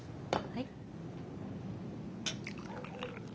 はい。